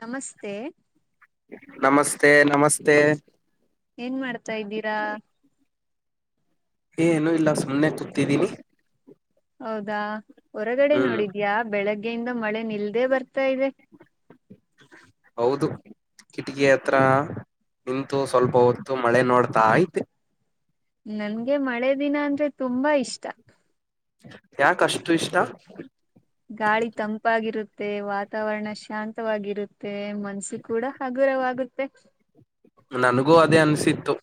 ನಮಸ್ತೆ ನಮಸ್ತೆ ನಮಸ್ತೆ ಏನ್ ಮಾಡ್ತಾ ಇದ್ದೀರಾ ಏನು ಇಲ್ಲ ಸುಮ್ನೆ ಕೂತಿದ್ದೀನಿ ಹೌದಾ ಹೊರಗಡೆ ಹ್ಮ್ ನೋಡಿದ್ಯಾ ಬೆಳಗ್ಗೆಯಿಂದ ಮಳೆ ನಿಲ್ದೇ ಬರ್ತಾ ಇದೆ ಹೌದು ಕಿಟಕಿ ಹತ್ರ ನಿಂತು ಸ್ವಲ್ಪ ಹೊತ್ತು ಮಳೆ ನೋಡ್ತಾ ಇದೆ ನನ್ಗೆ ಮಳೆ ದಿನ ಅಂದ್ರೆ ತುಂಬಾ ಇಷ್ಟ ಯಾಕಷ್ಟು ಇಷ್ಟ ಗಾಳಿ ತಂಪಾಗಿರುತ್ತೆ ವಾತಾವರಣ ಶಾಂತವಾಗಿರುತ್ತೆ ಮತ್ತೆ ಮನ್ಸಿ ಕೂಡ ಹಗುರವಾಗುತ್ತೆ ನನಗೂ ಅದೇ ಅನ್ಸಿತ್ತು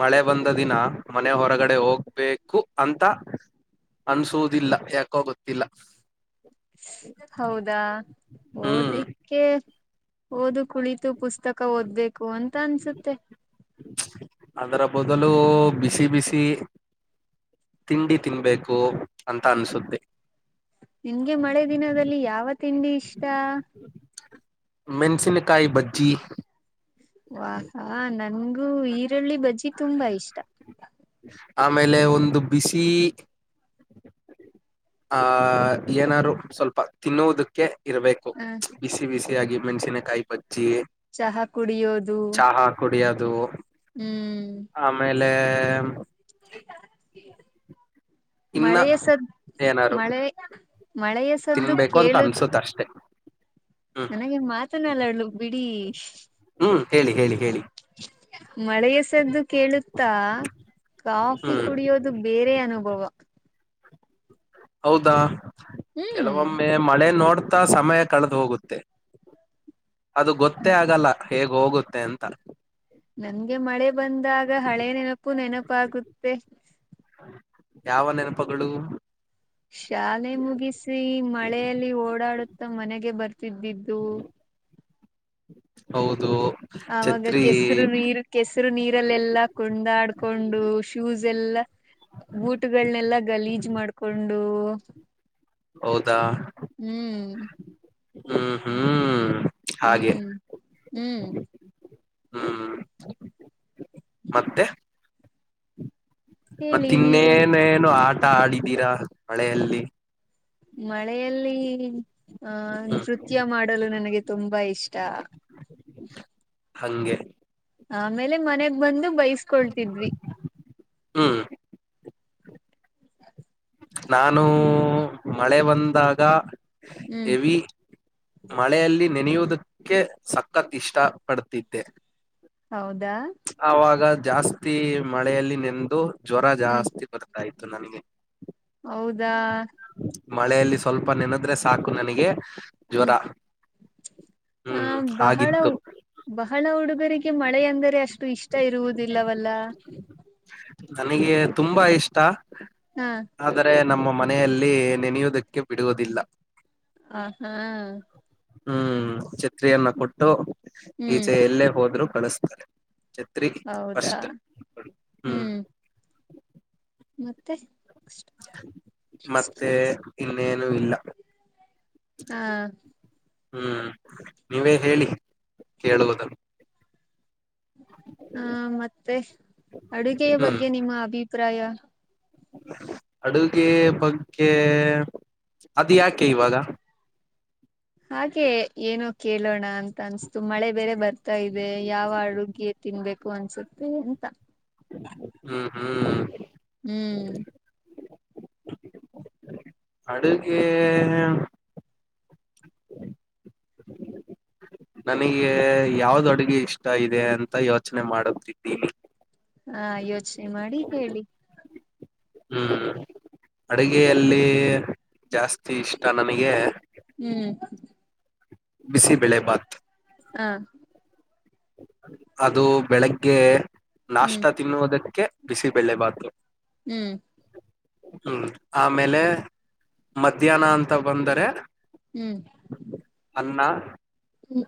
ಮಳೆ ಬಂದ ದಿನ ಮನೆ ಹೊರಗಡೆ ಹೋಗ್ಬೇಕು ಅಂತ ಅನ್ಸುದಿಲ್ಲ ಯಾಕೋ ಗೊತ್ತಿಲ್ಲ ಹೌದಾ ಹ್ಮ್ ಓದಲಿಕ್ಕೆ ಓದು ಕುಳಿತು ಪುಸ್ತಕ ಓದ್ಬೇಕು ಅಂತ ಅನ್ಸುತ್ತೆ ಅದರ ಬೊದಲು ಬಿಸಿ ಬಿಸಿ ತಿಂಡಿ ತಿನ್ಬೇಕು ಅಂತ ಅನ್ಸುತ್ತೆ ನಿಂಗೆ ಮಳೆ ದಿನದಲ್ಲಿ ಯಾವ ತಿಂಡಿ ಇಷ್ಟ ಮೆಣಸಿನಕಾಯಿ ಬಜ್ಜಿ ವಾಹಾ ನನ್ಗೂ ಈರುಳ್ಳಿ ಬಜ್ಜಿ ತುಂಬಾ ಇಷ್ಟ ಆಮೇಲೆ ಒಂದು ಬಿಸಿ ಆಹ ಏನಾದರು ಸ್ವಲ್ಪ ತಿನ್ನುವುದಕ್ಕೆ ಇರಬೇಕು ಹ ಬಿಸಿ ಬಿಸಿಯಾಗಿ ಮೆಣಸಿನಕಾಯಿ ಬಜ್ಜಿ ಚಹಾ ಕುಡಿಯೋದು ಚಹಾ ಕುಡಿಯದು ಹ್ಮ್ ಆಮೇಲೆ ಇನ್ನ ಮಳೆಯ ಸದ ಏನಾರು ಮಳೆ ಮಳೆಸದ್ದು ತಿನ್ಬೇಕು ಅಂತ ಕೇಳು ಅನ್ಸುತ್ತ ಅಷ್ಟೆ ಹ್ಮ್ ಹಾಗೆ ಮಾತನಲ್ಲಡ್ಲು ಬಿಡಿ ಹ್ಮ್ ಹೇಳಿ ಹೇಳಿ ಹೇಳಿ ಮಳೆೆಯ ಸದ್ದು ಕೇಳುತ್ತಾ ಕಾಫಿ ಹ್ಮ್ ಕುಡಿಯೋದು ಅದು ಬೇರೆ ಅನುಭವ ಹೌದಾ ಹ್ಮ್ ಕೆಲವೊಮ್ಮೆ ಮಳೆ ನೋಡ್ತಾ ಸಮಯ ಕಳೆದು ಹೋಗುತ್ತೆ ಅದು ಗೊತ್ತೇ ಆಗಲ್ಲ ಹೇಗ್ ಹೋಗುತ್ತೆ ಅಂತ ನನ್ಗೆ ಮಳೆ ಬಂದಾಗ ಹಳೆ ನೆನಪು ನೆನಪಾಗುತ್ತೆ ಯಾವ ನೆನಪಗಳು ಶಾಲೆ ಮುಗಿಸಿ ಮಳೆಯಲ್ಲಿ ಓಡಾಡುತ್ತ ಮನೆಗೆ ಬರ್ತಿದ್ದಿದ್ದು ಹೌದು ಆವಾಗ ಛತ್ರಿ ಕೆಸರು ನೀರು ಕೆಸರು ನೀರಲ್ಲೆಲ್ಲಾ ಕುಡಾಡ್ಕೊಂಡು ಶೂಸ್ ಎಲ್ಲಾ ಬುಟಗಳನೆೆಲ್ಲಾ ಗಲೀಜ್ ಮಾಡ್ಕೊಂಡು ಹೌದಾ ಹ್ಮ್ ಹ್ಮ ಹ್ಮ್ ಹಾಗೆ ಹ್ಮ್ ಹ್ಮ್ ಹ್ಮ್ ಮತ್ತೆ ಹೇಳಿ ಮತ್ತ ನೀವೇ ಇನ್ನೇನೇನು ಆಟ ಆಡಿದೀರಾ ಮಳೆಯಲ್ಲಿ ಮಳೆಯಲ್ಲಿ ಅಹ ಹ್ಮ್ ನೃತ್ಯ ಮಾಡಲು ನನಗೆ ತುಂಬಾ ಇಷ್ಟ. ಹಂಗೆ ಆಮೇಲೆ ಮನೆಗ್ ಬಂದು ಬೈಸ್ಕೊಳ್ತಿದ್ವಿ. ಹ್ಮ್ ನಾನು ಹ್ಮ್ ಮಳೆ ಬಂದಾಗ ಹ್ಮ್ ಎವಿ ಮಳೆಯಲ್ಲಿ ನೆನೆಯುವುದಕ್ಕೆ ಸಖತ್ ಇಷ್ಟ ಪಡ್ತಿದ್ದೆ. ಹೌದಾ ಅವಾಗ ಜಾಸ್ತಿ ಮಳೆಯಲ್ಲಿ ನೆಂದು ಜ್ವರ ಹ್ಮ್ ಜಾಸ್ತಿ ಬರ್ತಾಯ್ತು ನನಗೆ ಹೌದಾ ಮಳೆಯಲ್ಲಿ ಸ್ವಲ್ಪ ನೆನೆದ್ರೆ ಸಾಕು ನನಗೆ ಜ್ವರ ಹ್ಮ್ ಆ ಹ್ಮ್ ಬಹಳ ಆಗಿತ್ತು ಬಹಳ ಹುಡುಗರಿಗೆ ಮಳೆ ಅಂದರೆ ಅಷ್ಟು ಇಷ್ಟ ಇರುವುದಿಲ್ಲವಲ್ಲ. ನನಗೆ ತುಂಬಾ ಇಷ್ಟ. ಹಾ ಆದರೆ ನಮ್ಮ ಮನೆಯಲ್ಲಿ ನೆನೆಯುವುದಕ್ಕೆ ಬಿಡುವುದಿಲ್ಲ. ಆ ಹಾ ಹ್ಮ್ ಛತ್ರಿಯನ್ನ ಕೊಟ್ಟು ಹ್ಮ್ ಈಚೆ ಎಲ್ಲೇ ಹೋದ್ರು ಕಳಸ್ತಾರೆ. ಛತ್ರಿ ಹೌದಾ ಫಸ್ಟ್ ಕೊಡಿ ಹ್ಮ್ ಮತ್ತೆ ಮತ್ತೆ ಇನ್ನೇನೂ ಇಲ್ಲ. ಹಾ ಹ್ಮ್ ನೀವೇ ಹೇಳಿ ಕೇಳುವುದನ್ನು ಹಾ ಮತ್ತೆ ಅಡುಗೆಯ ಹ್ಮ್ ಬಗ್ಗೆ ನಿಮ್ಮ ಅಭಿಪ್ರಾಯ ಅಡುಗೆ ಬಗ್ಗೆ ಅದು ಯಾಕೆ ಇವಾಗ ಹಾಗೆ ಏನು ಕೇಳೋಣ ಅಂತ ಅನ್ಸ್ತು ಮಳೆ ಬೇರೆ ಬರ್ತಾ ಇದೆ ಯಾವ ಅಡುಗೆ ತಿನ್ಬೇಕು ಅನ್ಸುತ್ತೆ ಎಂತ ಹ್ಮ ಹ್ಮ್ ಹ್ಮ್ ಅಡುಗೆ ನನಗೆ ಯಾವ್ದ್ ಅಡುಗೆ ಇಷ್ಟ ಇದೆ ಅಂತ ಯೋಚನೆ ಮಾಡುತ್ತಿದ್ದೀನಿ. ಹಾ ಯೋಚನೆ ಮಾಡಿ ಹೇಳಿ. ಹ್ಮ ಅಡುಗೆಯಲ್ಲಿ ಜಾಸ್ತಿ ಇಷ್ಟ ನನಗೆ ಹ್ಮ್ ಬಿಸಿ ಬೆಳೆ ಬಾತ್ ಹಾ ಅದು ಬೆಳಗ್ಗೆ ಹ್ಮ್ ನಾಷ್ಟ ತಿನ್ನುವುದಕ್ಕೆ ಬಿಸಿಬೆಳೆಭಾತು ಹ್ಮ್ ಹ್ಮ್ ಆಮೇಲೆ ಮಧ್ಯಾಹ್ನ ಅಂತ ಬಂದರೆ ಹ್ಮ್ ಅನ್ನ ಹ್ಮ್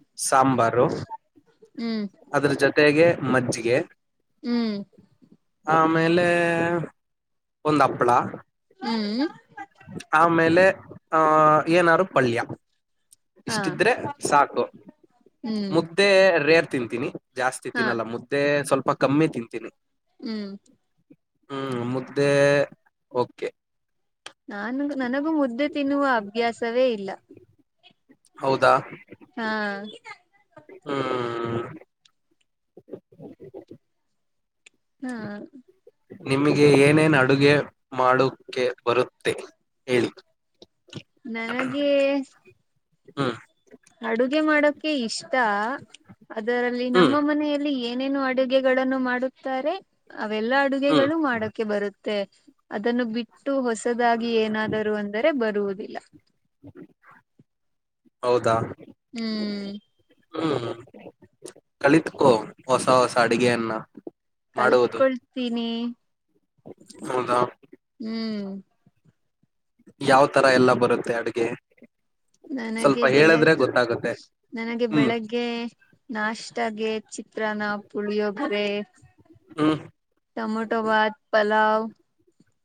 ಹ್ಮ್ ಅದರ ಜೊತೆಗೆ ಮಜ್ಜಿಗೆ. ಹ್ಮ್... ಆಮೇಲೆ ಒಂದ ಹಪ್ಳ. ಹ್ಮ್... ಆಮೇಲೆ ಅಹ ಏನಾರು ಪಲ್ಯ ಹಾ ಇಷ್ಟಿದ್ರೆ ಸಾಕು ಮು... ಹ್ಮ್ ಮುದ್ದೆ ರೇರ್ ತಿಂತೀನಿ ಜಾಸ್ತಿ ಹಾ ತಿನ್ನಲ್ಲ ಮುದ್ದೆ ಸ್ವಲ್ಪ ಕಮ್ಮಿ ತಿಂತೀನಿ. ಹ್ಮ್... ಹ್ಮ್ ಮುದ್ದೆ ಓಕೆ. ನಾನ ನನಗೂ ಮುದ್ದೆ ತಿನ್ನುವ ಅಭ್ಯಾಸವೇ ಇಲ್ಲ. ಹೌದಾ? ಹಾ... ಹಾ... ಹಾ... ನಿಮಗೆ ಏನೇನ್ ಅಡುಗೆ ಮಾಡೋಕೆ ಬರುತ್ತೆ ಹೇಳಿ... ನನಗೆ... ಹ್ಮ್ ಅಡುಗೆ ಮಾಡೋಕ ಇಷ್ಟ ಅದರಲ್ಲಿ ಹ್ಮ್ ನಮ್ಮ ಮನೆಯಲ್ಲಿ ಏನೇನು ಅಡು. ಅಗಳನ್ನು ಮಾಡುತ್ತಾರೆ ಅವೆಲ್ಲಾ ಹ್ಮ್ ಅಡುಗೆಗಳು ಮಾಡಕ ಬರುತ್ತೆ ಅದನ್ನು ಬಿಟ್ಟ... ಅಷ್ಟು ಹೊಸದಾಗಿ ಏನಾದರೂ ಅಂದರೆ ಬರುವುದಿಲ್ಲ. ಹೌದಾ! ಹ್ಮ್... ಹ್ಮ್ ಕಲಿತಕೋ ಹೊಸ ಹೊಸ ಅಡಗೆಯನ್ನ. ಮಾಡುವುದು ಕಲ್ಪ್ಕೊಳ್ತೀನಿ... ಹೌದಾ. ಹ್ಮ್. ಯಾವ್ ತರ ಎಲ್ಲಾ ಬರುತ್ತೆ ಅಡುಗೆ. ನನಗೆ ಬೆಳಗ್ ಗೊತ್ತಾಗುತ್ತೆ ನನಗೆ ಹ್ಮ್ ಬೆಳಗ್ಗೆ... ಹಾಗೆ ನಾಷ್ಟಾಗೆ ಚಿತ್ರಾನ ಪುಳಿಯೊಗ್ರೆ ಹ್ಮ... ಟಮೊಟೋ ಭಾತ್ ಪಲಾವ...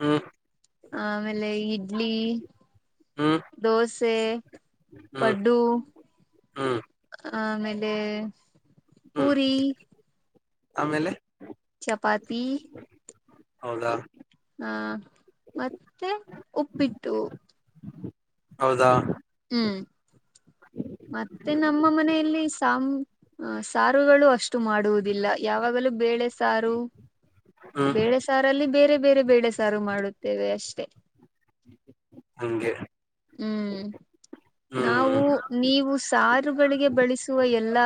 ಹ್ಮ... ಆ ಆಮೇಲೆ ಇಡ್ಲಿ. ಹ್ಮ್ ದೋಸೆ ಹ್ಮ್ ಪಡ್ಡೂ... ಹ್ಮ್ ಆಮೇಲೆ ಹ್ಮ್ ಪೂರಿ. ಆಮೇಲೆ... ಚಪಾತಿ. ಹೌದಾ. ಹಾ ಮತ್ತೆ ಉಪ್ಪಿಟ್ಟು. ಹೌದಾ. ಹ್ಮ್ ಮತ್ತೆ ನಮ್ಮ ಮನೆಯಲ್ಲಿ ಸಾಮ... ಹ ಸಾರುಗಳು ಅಷ್ಟು ಮಾಡುವುದಿಲ್ಲ ಯಾವಾಗಲೂ ಬೇಳೆ ಸಾರು... ಹ್ಮ್ ಬೇಳೆ ಸಾರಲ್ಲಿ ಬೇರೆ ಬೇರೆ ಬೇಳೆ ಸಾರು ಮಾಡುತ್ತೇವೆ ಅಷ್ಟೆ. ಹಂಗೆ ಹ್ಮ್ ನಾವು... ಹ್ಮ್ ನೀವು ಸಾರುಗಳಿಗೆ ಬಳಸುವ ಎಲ್ಲಾ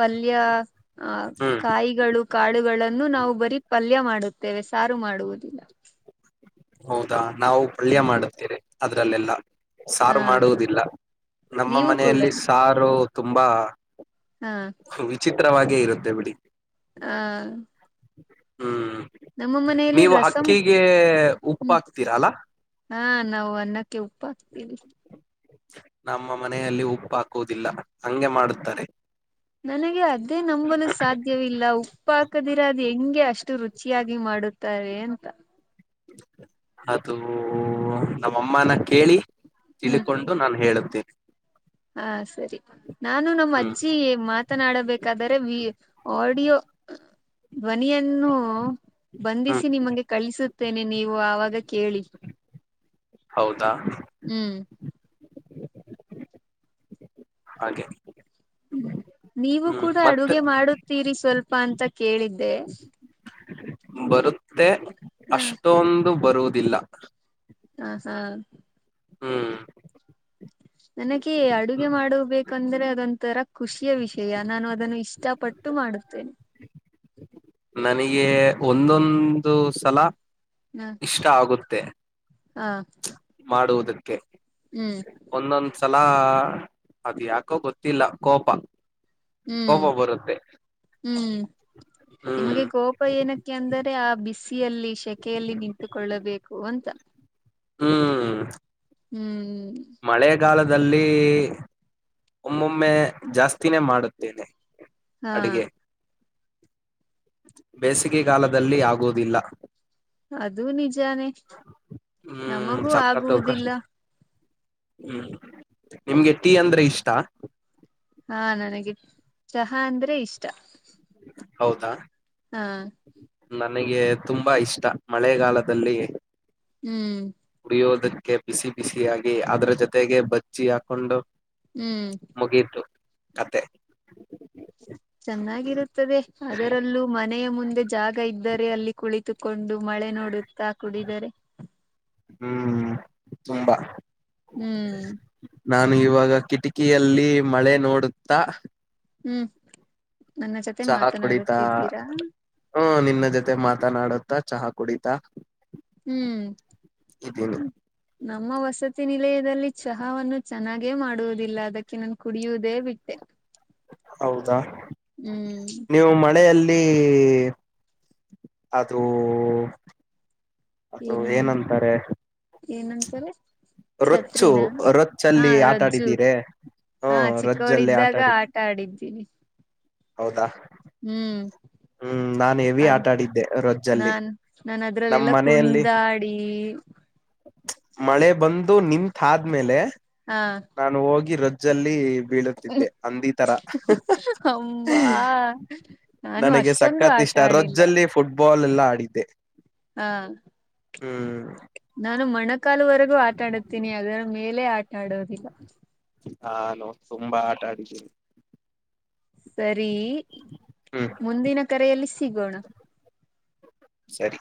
ಪಲ್ಯ... ಆ ಹ್ಮ್ ಕಾಯಿಗಳು, ಕಾಳುಗಳನ್ನು ನಾವು ಬರಿ ಪಲ್ಯ ಮಾಡುತ್ತೇವೆ ಸಾರು ಮಾಡುವುದಿಲ್ಲ. ಹೌದಾ, ನಾವು ಪಲ್ಯ ಮಾಡುತ್ತೀರಿ ಅದ್ರಲ್ಲೆಲ್ಲ. - ಹಾ ಸಾರು ಮಾಡುವುದಿಲ್ಲ ನಮ್ಮ ನೀವು ಕೂಡ ಮನೆಯಲ್ಲಿ ಸಾರು ತುಂಬಾ- ಹಾ [inaudible] ವಿಚಿತ್ರವಾಗೇ ಇರುತ್ತೆ ಬಿಡಿ ಹ [inaudible] ಹ್ಮ್, ಮನೆಯಲ್ಲಿ ನೀವು ರಸಂ ಅಕ್ಕಿಗೆ ಹ್ಮ ಉಪ್ಪು ಹಾಕ್ತಿರಲ್ಲ ಹಾ, ನಾವು ಅನ್ನಕ್ಕೆ ಉಪ್ಪು ಹಾಕ್ತೀವಿ. ನಮ್ಮ ಮನೆಯಲ್ಲಿ ಉಪ್ಪು ಹಾಕುವುದಿಲ್ಲ ಹಂಗೆ ಮಾಡುತ್ತಾರೆ. ನನಗೆ ಅದೇ ನಂಬಲು ಸಾಧ್ಯವಿಲ್ಲ ಉಪ್ಪುಹಾಕದಿರ ಅದು ಹೆಂಗೆ ಅಷ್ಟು ರುಚಿಯಾಗಿ ಮಾಡುತ್ತಾರೆ ಅಂತ. ಅದು ನಮ್ಮಅಮ್ಮನ ಕೇಳಿ ಹ್ಮ್ ತಿಳ್ಕೊಂಡು ನಾನು ಹೇಳುತ್ತೇನೆ. ಹಾ, ಸರಿ ನಾನು ನಮ್ಮ್ ಹ್ಮ್ ಅಜ್ಜಿ ಮಾತನಾಡಬೇಕಾದರೆೆ ಆಡಿಯೋ- ಧ್ವನಿಯನ್ನು ಹ್ಮ್ ಬಂಧಿಸಿ ನಿಮಗೆ ಕಳಿಸುತ್ತೇನೆ ನೀವು ಅವಾಗ ಕೇಳಿ. ಹೌದಾ., ಹ್ಮ್, ಹಾಗೆ- ಹ್ಮ, ನೀವು ಹ್ಮ್ ಕೂಡ ಮತ್ತೆ ಅಡುಗೆ ಮಾಡುತ್ತೀರಿ ಸ್ವಲ್ಪ ಅಂತ ಕೇಳಿದ್ದೆ, - ಬರುತ್ತೆ, ಹ ಅಷ್ಟೊಂದು ಬರುವುದಿಲ್ಲ - ಹ ಹಾ [unintelligible] ಹ್ಮ್, ನನಗೆ ಅಡುಗೆ ಮಾಡಬೇಕಂದ್ರೆ ಅದೊಂತರ ಖುಷಿಯ ವಿಷಯನಾನು ಅದನ್ನು ಇಷ್ಟಪಟ್ಟ ಪಟ್ಟು ಮಾಡುತ್ತೇನೆ. ನನಗೆ ಒಂದೊಂದು ಸಲ ಇಷ್ಟ ಆಗುತ್ತೆ. ಹಾ, ಮಾಡುವುದಕ್ಕೆ ಹ್ಮ್, ಒಂದೊಂದ್ ಸಲ ಅದ್ ಯಾಕೋ ಗೊತ್ತಿಲ್ಲ ಕೋಪ ಹ್ಮ್, ಕೋಪ ಬರುತ್ತೆ ಹ್ಮ್ ಹ್ಮ್ ನಿಮಗೆ ಕೋಪ ಏನ ಯಾಕೆಂದರೆ ಆ ಬಿಸಿಯಲ್ಲಿ, ಶೆಕೆಯಲ್ಲಿ ನಿಂತುಕೊಳ್ಳಬೇಕು ಅಂತ. ಹ್ಮ್, ಹ್ಮ್, ಮಳೆಗಾಲದಲ್ಲಿ... ಒಮ್ಮೊಮ್ಮೆ ಜಾಸ್ತಿನೇ ಮಾಡುತ್ತೇನೆ ಹಾ ಅಡುಗೆ. ಬೇಸಿಗೆ ಕಾಲದಲ್ಲಿ ಆಗೋದಿಲ್ಲ. ಅದು ನಿಜಾನೇ ಹ್ಮ್ ನಮಗೂ ಸಖತ್ ಕಷ್ಟ ಆಗುವುದಿಲ್ಲ. ಹ್ಮ್, ನಿಮ್ಗೆ ಟೀ ಅಂದ್ರೆ ಇಷ್ಟ. ಹಾ, ನನಗೆ ಚಹಾ ಅಂದ್ರೆ ಇಷ್ಟ ಹೌದಾ, ಹಾ, ನನಗೆ ತುಂಬಾ ಇಷ್ಟ ಮಳೆಗಾಲದಲ್ಲಿ ಹ್ಮ್, ಉರಿಯೋದಕ್ಕೆ ಬಿಸಿ ಬಿಸಿಯಾಗಿ ಅದ್ರ ಜೊತೆಗೆ ಬಜ್ಜಿ ಹಾಕೊಂಡು ಹ್ಮ್ ಮುಗಿತು ಕಥೆ. ಚೆನ್ನಾಗಿರುತ್ತದೆ ಅದರಲ್ಲೂ. ಮನೆಯ ಮುಂದೆ ಜಾಗ ಇದ್ದರೆ ಅಲ್ಲಿ ಕುಳಿತುಕೊಂಡು ಮಳೆ ನೋಡುತ್ತಾ ಕುಡಿದರೆ. ಹ್ಮ್ ತುಂಬಾ. ಹ್ಮ್. ನಾನು ಇವಾಗ ಕಿಟಕಿಯಲ್ಲಿ ಮಳೆ ನೋಡುತ್ತಾ. ಹ್ಮ್ ನನ್ನ ಜೊತೆ ಚಹಾ ಕುಡಿತಾ ಮಾತನಾಡುತ್ತಿದ್ದೀರಾ. ಹ್ಮ ನಿನ್ನ ಜೊತೆ ಮಾತನಾಡುತ್ತಾ ಚಹಾ ಕುಡಿತಾ. ಹ್ಮ್ ಇದ್ದೀನಿ ಹ್ಮ್. ನಮ್ಮ ವಸತಿ ನಿಲಯದಲ್ಲಿ ಚಹಾವನ್ನು ಚೆನ್ನಾಗೆ ಮಾಡುವುದಿಲ್ಲ ಅದಕ್ಕೆ ನಾನು ಕುಡಿಯುವುದೇ ಬಿಟ್ಟೆ. ಹೌದಾ. ಹ್ಮ್. ನೀವು ಮಳೆಯಲ್ಲಿ. ಅದು. ಅದು ಏನು ಏನಂತಾರೆ. ಏನಂತಾರೆ. ರೊಚ್ಚು ಛತ್ರಿನ ಹಾ ರೊಚ್ಚಲ್ಲಿ ಆಟ ರಜ್ಜು ಆಡಿದ್ದೀರ. ಹಾ ಚಿಕ್ಕೋಳಿದ್ದಾಗ ಆಟ ಆಡಿದ್ದೀನಿ. ಹೌದಾ. ಹ್ಮ್. ಹ್ಮ್ ನಾನ್ ಹೆವಿ ಅದ ಆಟ ಆಡಿದ್ದೆ ರೊಜ್ಜಲ್ಲಿ ನಾನ್ ನಾನ ನಮ್ ಅದ್ರಲ್ಲೆಲ್ಲ ಮನೆಯಲ್ಲಿ ಕುಂಡಾಡಿ. ಮಳೆ ಬಂದು ನಿಂತ್ ಆದ್ಮೇಲೆ. ಹಾ. ನಾನು ಹೋಗಿ ರೊಜ್ಜಲ್ಲಿ ಬೀಳುತ್ತಿದ್ದೆ ಹಂದಿ ತರ. ಹ್ಮ. ನನಗೆ ಸಕ್ಕತ್ ಇಷ್ಟ ರಜ್ಜಲ್ಲಿ ಫುಟ್ಬಾಲ್ ಎಲ್ಲ ಆಡಿದ್ದೆ. ಹಾ. ಹ್ಮ್. ನಾನು ಮೊಣಕಾಲುವರೆಗೂ ಆಟಾಡುತ್ತೀನಿ ಅದರ ಮೇಲೆ ಆಟಾ ಆಡೋದಿಲ್ಲ. ಹಾ ನು ತುಂಬಾ ಆಟ ಆಡಿದ್ವಿ. ಸರಿ. ಹ್ಮ್. ಮುಂದಿನ ಕರೆಯಲ್ಲಿ ಸಿಗೋಣ. ಸರಿ.